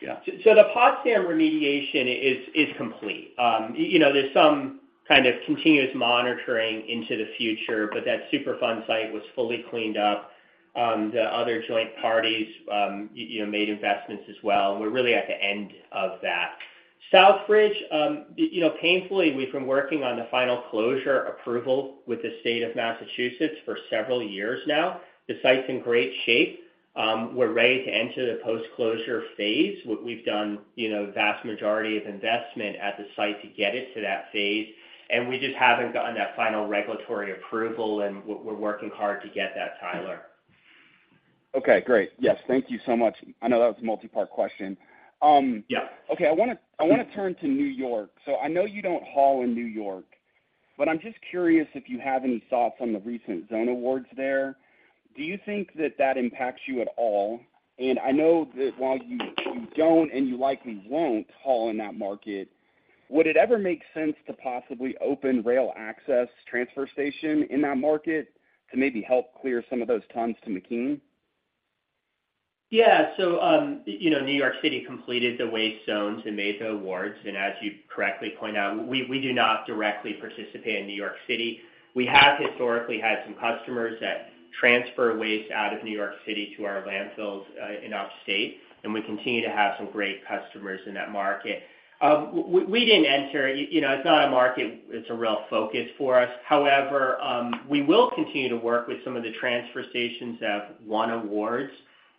Yeah. So the Potsdam remediation is complete. You know, there's some kind of continuous monitoring into the future, but that Superfund site was fully cleaned up. The other joint parties, you know, made investments as well. We're really at the end of that. Southbridge, you know, painfully, we've been working on the final closure approval with the state of Massachusetts for several years now. The site's in great shape. We're ready to enter the post-closure phase. We've done, you know, the vast majority of investment at the site to get it to that phase, and we just haven't gotten that final regulatory approval, and we're working hard to get that, Tyler. Okay, great. Yes, thank you so much. I know that was a multipart question. Yep. Okay, I wanna, I wanna turn to New York. So I know you don't haul in New York, but I'm just curious if you have any thoughts on the recent zone awards there. Do you think that that impacts you at all? And I know that while you, you don't, and you likely won't haul in that market, would it ever make sense to possibly open rail access transfer station in that market to maybe help clear some of those tons to McKean? Yeah. So, you know, New York City completed the waste zones and made the awards, and as you correctly point out, we do not directly participate in New York City. We have historically had some customers that transfer waste out of New York City to our landfills in Upstate, and we continue to have some great customers in that market. We didn't enter. You know, it's not a market that's a real focus for us. However, we will continue to work with some of the transfer stations that won awards,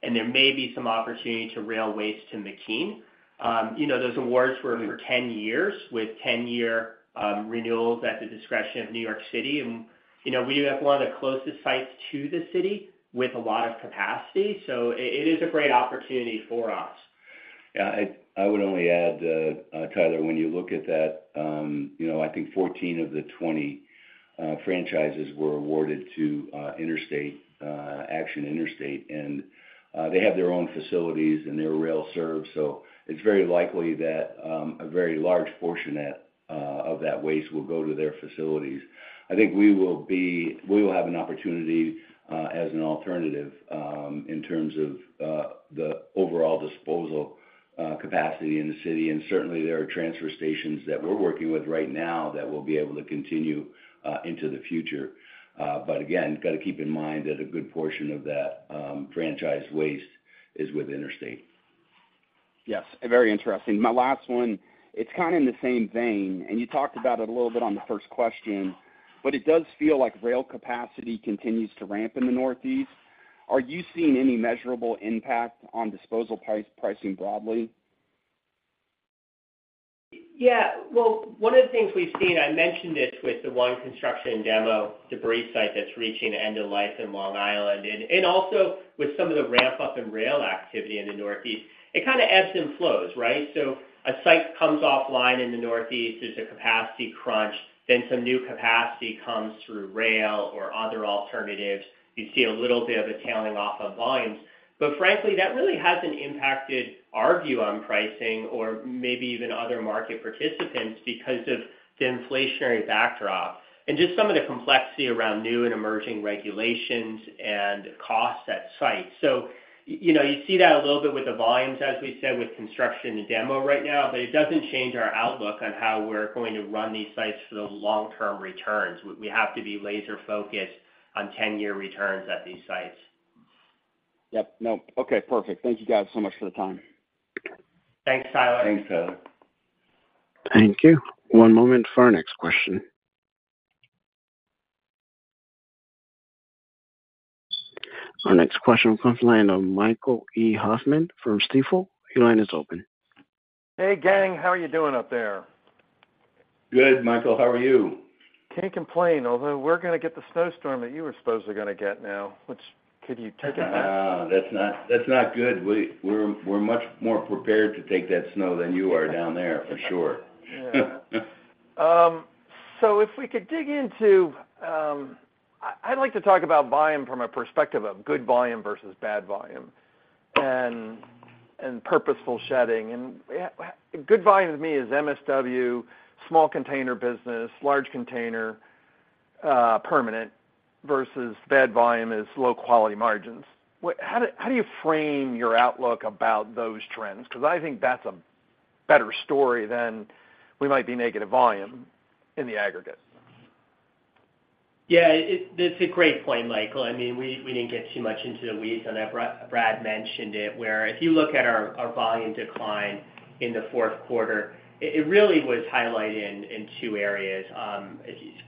and there may be some opportunity to rail waste to McKean. You know, those awards were for 10 years, with 10-year renewals at the discretion of New York City. You know, we have one of the closest sites to the city with a lot of capacity, so it is a great opportunity for us. Yeah, I would only add, Tyler, when you look at that, you know, I think 14 of the 20 franchises were awarded to Interstate, Action Interstate, and they have their own facilities, and they're rail-served, so it's very likely that a very large portion of that, of that waste will go to their facilities. I think we will be—we will have an opportunity, as an alternative, in terms of, the overall disposal, capacity in the city, and certainly, there are transfer stations that we're working with right now that will be able to continue, into the future. But again, you've got to keep in mind that a good portion of that, franchise waste is with Interstate. Yes, very interesting. My last one, it's kind of in the same vein, and you talked about it a little bit on the first question, but it does feel like rail capacity continues to ramp in the Northeast. Are you seeing any measurable impact on disposal price-pricing broadly? Yeah. Well, one of the things we've seen, I mentioned this with the one construction and demolition debris site that's reaching end of life in Long Island and also with some of the ramp-up in rail activity in the Northeast, it kind of ebbs and flows, right? So a site comes offline in the Northeast, there's a capacity crunch, then some new capacity comes through rail or other alternatives. You see a little bit of a tailing off of volumes. But frankly, that really hasn't impacted our view on pricing or maybe even other market participants because of the inflationary backdrop and just some of the complexity around new and emerging regulations and costs at site. So, you know, you see that a little bit with the volumes, as we said, with construction and demo right now, but it doesn't change our outlook on how we're going to run these sites for the long-term returns. We have to be laser-focused on 10-year returns at these sites. Yep. No. Okay, perfect. Thank you, guys, so much for the time. Thanks, Tyler. Thanks, Tyler. Thank you. One moment for our next question. Our next question comes from the line of Michael E. Hoffman from Stifel. Your line is open. Hey, gang, how are you doing up there? Good, Michael. How are you? Can't complain, although we're gonna get the snowstorm that you were supposedly gonna get now, which, can you take it back? That's not good. We're much more prepared to take that snow than you are down there, for sure. Yeah. So if we could dig into, I'd like to talk about volume from a perspective of good volume versus bad volume and, and purposeful shedding. And, good volume to me is MSW, small container business, large container, permanent, versus bad volume is low-quality margins. How do, how do you frame your outlook about those trends? Because I think that's a better story than we might be negative volume in the aggregate. Yeah, that's a great point, Michael. I mean, we didn't get too much into the weeds on that. Brad mentioned it, where if you look at our volume decline in the fourth quarter, it really was highlighted in two areas: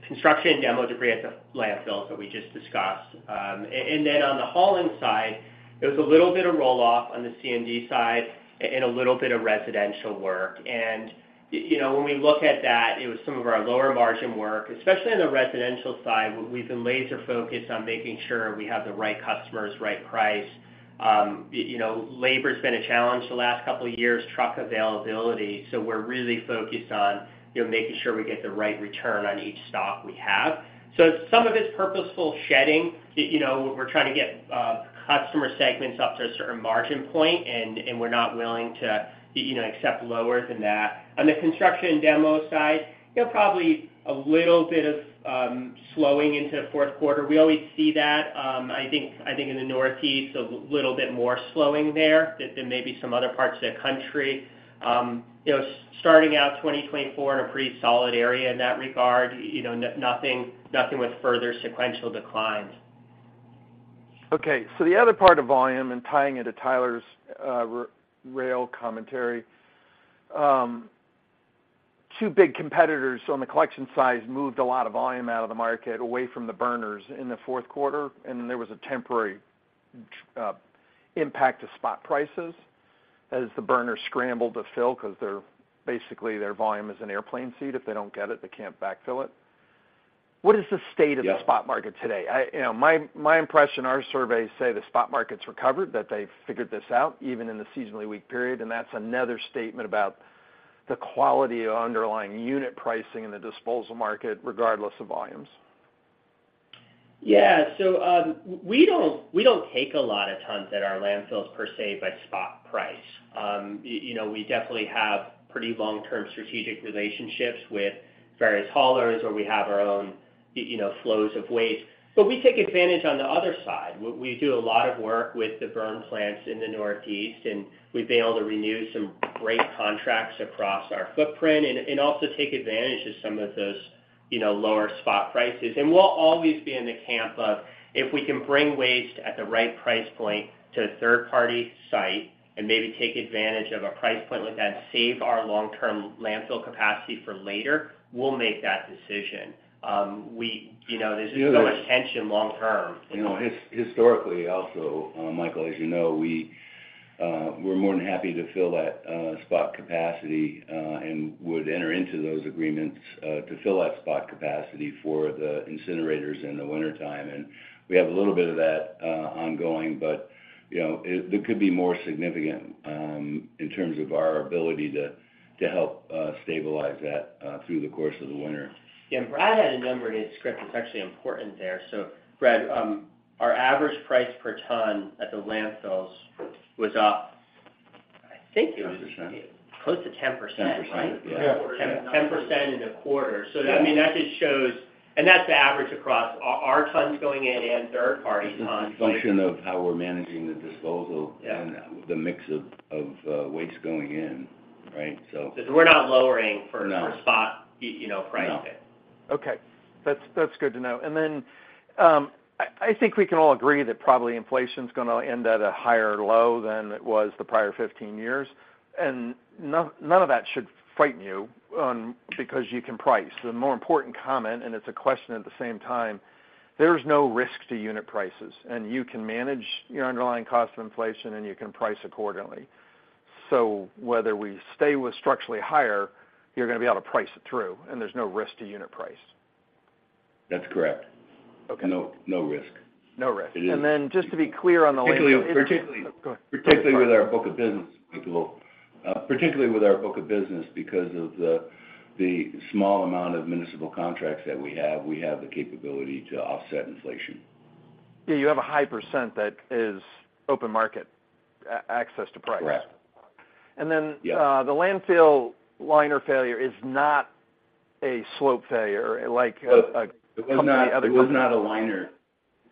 construction and demo debris at the landfills that we just discussed, and then on the hauling side, there was a little bit of roll-off on the C&D side and a little bit of residential work. And, you know, when we look at that, it was some of our lower-margin work, especially on the residential side, where we've been laser-focused on making sure we have the right customers, right price. You know, labor's been a challenge the last couple of years, truck availability, so we're really focused on making sure we get the right return on each stop we have. So some of it's purposeful shedding. You know, we're trying to get customer segments up to a certain margin point, and we're not willing to, you know, accept lower than that. On the construction and demo side, you know, probably a little bit of slowing into the fourth quarter. We always see that. I think in the Northeast, a little bit more slowing there than maybe some other parts of the country. You know, starting out 2024 in a pretty solid area in that regard, you know, nothing with further sequential declines. Okay, so the other part of volume, and tying into Tyler's rail commentary, two big competitors on the collection side moved a lot of volume out of the market, away from the burners in the fourth quarter, and then there was a temporary impact to spot prices as the burners scrambled to fill, 'cause their volume is an airplane seat. If they don't get it, they can't backfill it. What is the state of the. Yeah. Spot market today? I, you know, my, my impression, our surveys say the spot market's recovered, that they've figured this out, even in the seasonally weak period, and that's another statement about the quality of underlying unit pricing in the disposal market, regardless of volumes. Yeah. So, we don't, we don't take a lot of tons at our landfills per se, by spot price. You know, we definitely have pretty long-term strategic relationships with various haulers, or we have our own, you know, flows of waste. But we take advantage on the other side. We do a lot of work with the burn plants in the Northeast, and we've been able to renew some great contracts across our footprint and, and also take advantage of some of those, you know, lower spot prices. And we'll always be in the camp of, if we can bring waste at the right price point to a third-party site and maybe take advantage of a price point like that and save our long-term landfill capacity for later, we'll make that decision. You know, there's just so much tension long-term. You know, historically, also, Michael, as you know, we, we're more than happy to fill that spot capacity and would enter into those agreements to fill that spot capacity for the incinerators in the wintertime. And we have a little bit of that ongoing, but, you know, it could be more significant in terms of our ability to help stabilize that through the course of the winter. Yeah. Brad had a number in his script that's actually important there. So Brad, our average price per ton at the landfills was up, I think it was. 10%. Close to 10%. 10%, yeah. 10% in a quarter. Yeah. So, I mean, that just shows. And that's the average across our tons going in and third-party tons. Function of how we're managing the disposal. Yeah. And the mix of waste going in, right? So. We're not lowering for. No. For spot, you know, pricing. No. Okay. That's good to know. And then, I think we can all agree that probably inflation's gonna end at a higher low than it was the prior 15 years, and none of that should frighten you, because you can price. The more important comment, and it's a question at the same time, there's no risk to unit prices, and you can manage your underlying cost of inflation, and you can price accordingly. So whether we stay with structurally higher, you're gonna be able to price it through, and there's no risk to unit price. That's correct. Okay. No, no risk. No risk. It is. Just to be clear on the landfill. Particularly, particularly. Go ahead. Particularly with our book of business, Michael. Particularly with our book of business, because of the small amount of municipal contracts that we have, we have the capability to offset inflation. Yeah, you have a high percent that is open market access to price. Correct. And then. Yeah. The landfill liner failure is not a slope failure, like, a. It was not. Other company. It was not a liner.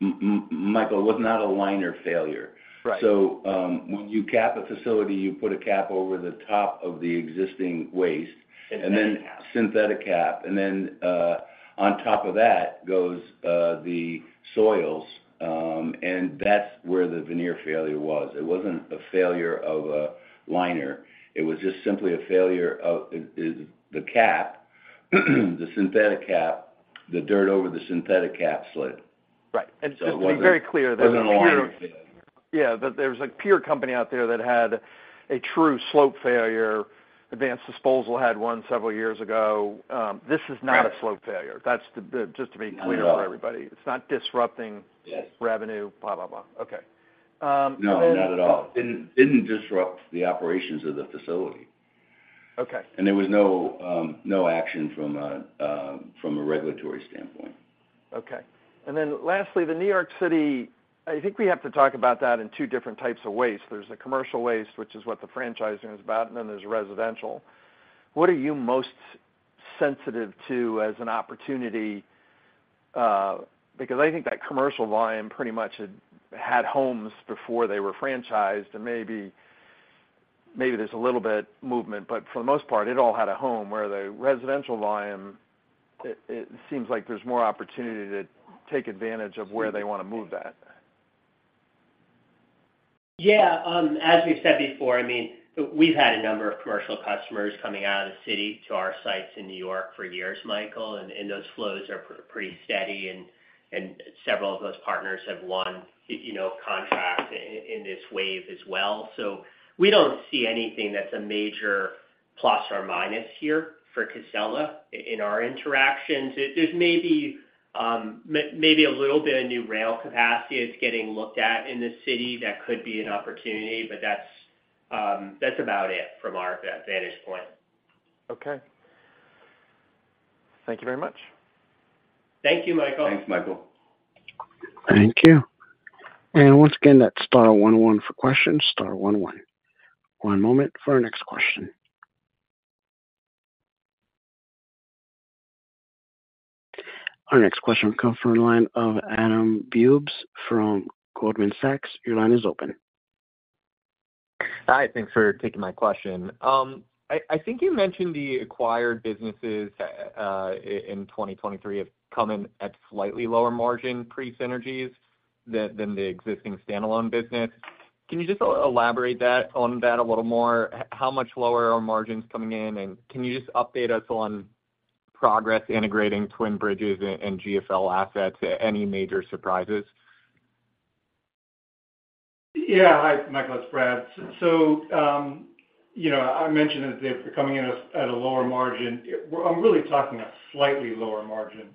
Michael, it was not a liner failure. Right. When you cap a facility, you put a cap over the top of the existing waste. Synthetic cap. Synthetic cap. And then, on top of that, goes the soils, and that's where the veneer failure was. It wasn't a failure of a liner. It was just simply a failure of the cap, the synthetic cap. The dirt over the synthetic cap slid. Right. So it wasn't. Just to be very clear, there. It wasn't a liner failure. Yeah, but there's a peer company out there that had a true slope failure. Advanced Disposal had one several years ago. This is not. Right. A slope failure. That's the, just to be clear for everybody. It's not disrupting. Yes. Revenue, blah, blah, blah. Okay. And then. No, not at all. It didn't disrupt the operations of the facility. Okay. There was no action from a regulatory standpoint. Okay. And then lastly, the New York City. I think we have to talk about that in two different types of waste. There's the commercial waste, which is what the franchising is about, and then there's residential. What are you most sensitive to as an opportunity? Because I think that commercial volume pretty much had homes before they were franchised, and maybe there's a little bit movement, but for the most part, it all had a home. Where the residential volume, it seems like there's more opportunity to take advantage of where they want to move that. Yeah, as we've said before, I mean, we've had a number of commercial customers coming out of the city to our sites in New York for years, Michael, and those flows are pretty steady, and several of those partners have won, you know, contracts in this wave as well. So we don't see anything that's a major plus or minus here for Casella in our interactions. There may be, maybe a little bit of new rail capacity is getting looked at in the city. That could be an opportunity, but that's about it from our vantage point. Okay. Thank you very much. Thank you, Michael. Thanks, Michael. Thank you. And once again, that's star one one for questions, star one one. One moment for our next question. Our next question comes from the line of Adam Bubes from Goldman Sachs. Your line is open. Hi, thanks for taking my question. I think you mentioned the acquired businesses in 2023 have come in at slightly lower margin pre-synergies than the existing standalone business. Can you just elaborate on that a little more? How much lower are margins coming in, and can you just update us on progress integrating Twin Bridges and GFL assets? Any major surprises? Yeah. Hi, Michael, it's Brad. So, you know, I mentioned that they're coming in at, at a lower margin. I'm really talking a slightly lower margin,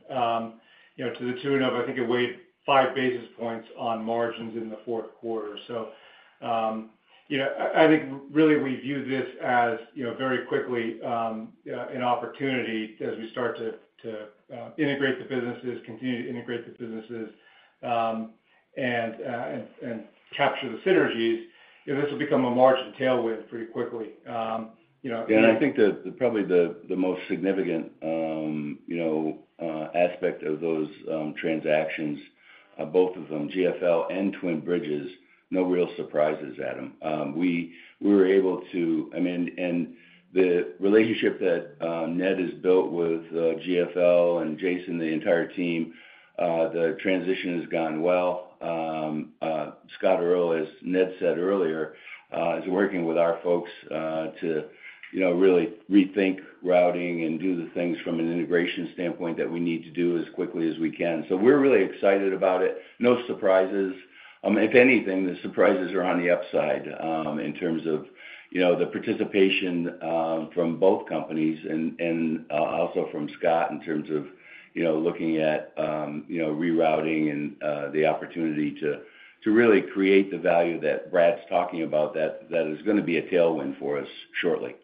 you know, to the tune of, I think, it weighed five basis points on margins in the fourth quarter. So, you know, I, I think really we view this as, you know, very quickly, an opportunity as we start to, to, integrate the businesses, continue to integrate the businesses, and, and, and capture the synergies. You know, this will become a margin tailwind pretty quickly. You know. Yeah, and I think probably the most significant, you know, aspect of those transactions, both of them, GFL and Twin Bridges, no real surprises, Adam. We were able to. I mean, and the relationship that Ned has built with GFL and Jason, the entire team, the transition has gone well. Scott Earl, as Ned said earlier, is working with our folks to you know, really rethink routing and do the things from an integration standpoint that we need to do as quickly as we can. So we're really excited about it. No surprises. If anything, the surprises are on the upside, in terms of, you know, the participation from both companies and also from Scott, in terms of, you know, looking at, you know, rerouting and the opportunity to really create the value that Brad's talking about, that is gonna be a tailwind for us shortly.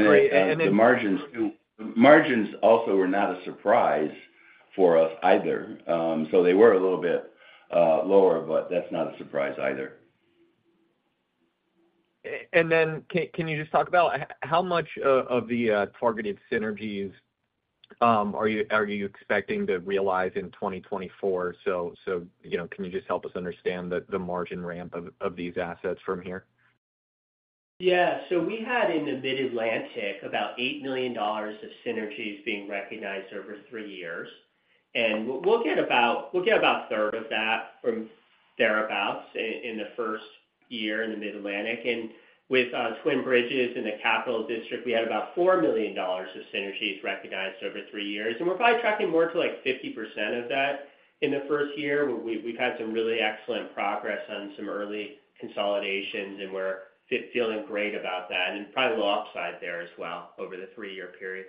Great, and then. The margins, margins also were not a surprise for us either. So they were a little bit lower, but that's not a surprise either. And then can you just talk about how much of the targeted synergies are you expecting to realize in 2024? So you know, can you just help us understand the margin ramp of these assets from here? Yeah. So we had in the Mid-Atlantic about $8 million of synergies being recognized over three years, and we'll get about a third of that from thereabouts in the first year in the Mid-Atlantic. And with Twin Bridges in the Capital District, we had about $4 million of synergies recognized over three years, and we're probably tracking more to, like, 50% of that in the first year, where we've had some really excellent progress on some early consolidations, and we're feeling great about that, and probably a little upside there as well over the three-year period.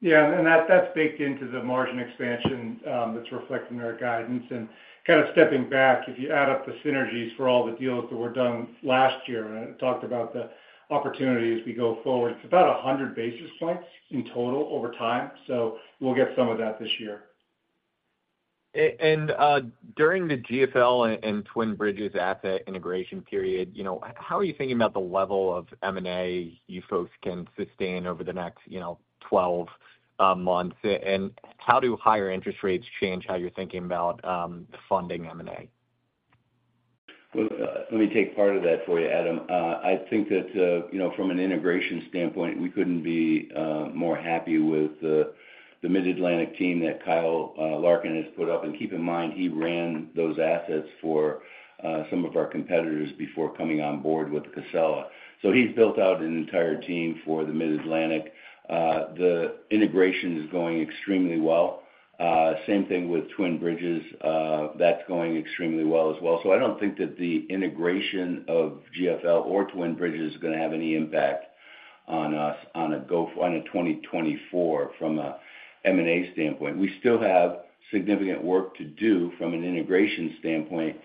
Yeah, and that, that's baked into the margin expansion, that's reflected in our guidance. And kind of stepping back, if you add up the synergies for all the deals that were done last year, and I talked about the opportunity as we go forward, it's about 100 basis points in total over time, so we'll get some of that this year. And during the GFL and Twin Bridges asset integration period, you know, how are you thinking about the level of M&A you folks can sustain over the next, you know, 12 months? And how do higher interest rates change how you're thinking about funding M&A? Well, let me take part of that for you, Adam. I think that, you know, from an integration standpoint, we couldn't be more happy with the Mid-Atlantic team that Kyle Larkin has put up. And keep in mind, he ran those assets for some of our competitors before coming on board with Casella. So he's built out an entire team for the Mid-Atlantic. The integration is going extremely well. Same thing with Twin Bridges. That's going extremely well as well. So I don't think that the integration of GFL or Twin Bridges is gonna have any impact on us on a 2024 from a M&A standpoint. We still have significant work to do from an integration standpoint,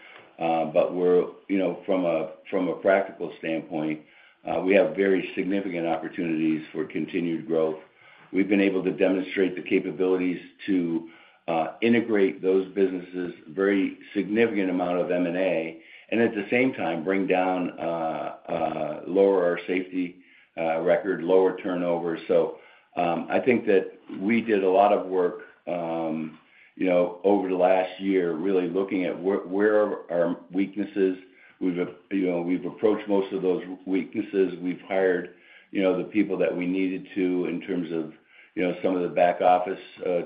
but we're. You know, from a practical standpoint, we have very significant opportunities for continued growth. We've been able to demonstrate the capabilities to integrate those businesses, very significant amount of M&A, and at the same time, bring down, lower our safety record, lower turnover. So, I think that we did a lot of work, you know, over the last year, really looking at where our weaknesses are. We've, you know, we've approached most of those weaknesses. We've hired, you know, the people that we needed to in terms of, you know, some of the back office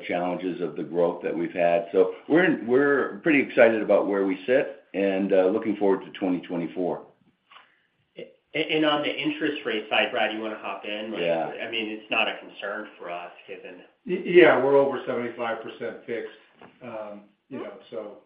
challenges of the growth that we've had. So we're, we're pretty excited about where we sit, and looking forward to 2024. On the interest rate side, Brad, you want to hop in? Yeah. I mean, it's not a concern for us, given. Yeah, we're over 75% fixed. You know, so.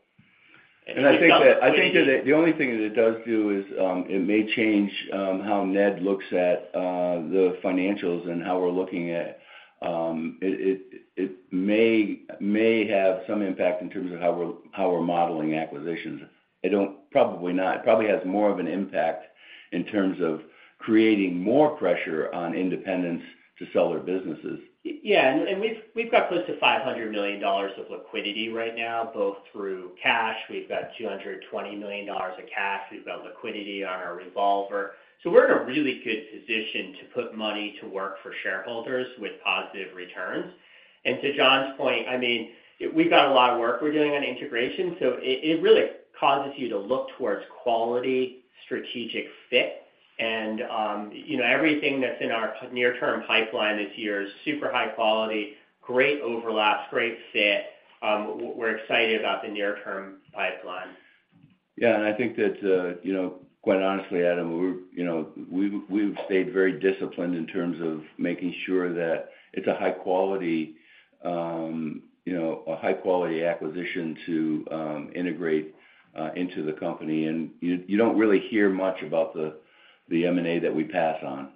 I think that the only thing that it does do is it may change how Ned looks at the financials and how we're looking at. It may have some impact in terms of how we're modeling acquisitions. It don't. Probably not. It probably has more of an impact in terms of creating more pressure on independents to sell their businesses. Yeah, and we've got close to $500 million of liquidity right now, both through cash, we've got $220 million of cash, we've got liquidity on our revolver. So we're in a really good position to put money to work for shareholders with positive returns. And to John's point, I mean, we've got a lot of work we're doing on integration, so it really causes you to look towards quality, strategic fit. And, you know, everything that's in our near-term pipeline this year is super high quality, great overlaps, great fit. We're excited about the near-term pipeline. Yeah, and I think that, you know, quite honestly, Adam, we're, you know, we've stayed very disciplined in terms of making sure that it's a high quality, you know, a high-quality acquisition to integrate into the company. And you don't really hear much about the M&A that we pass on.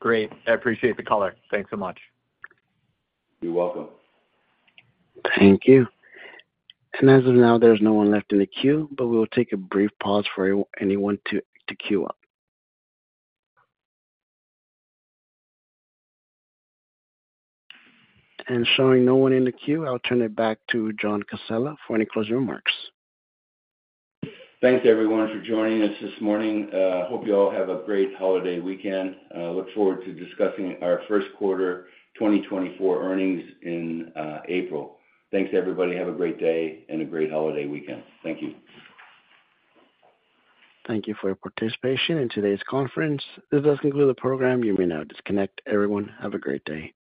Great. I appreciate the color. Thanks so much. You're welcome. Thank you. As of now, there's no one left in the queue, but we'll take a brief pause for anyone to queue up. Showing no one in the queue, I'll turn it back to John Casella for any closing remarks. Thanks, everyone, for joining us this morning. Hope you all have a great holiday weekend. Look forward to discussing our first quarter 2024 earnings in April. Thanks, everybody. Have a great day and a great holiday weekend. Thank you. Thank you for your participation in today's conference. This does conclude the program. You may now disconnect. Everyone, have a great day.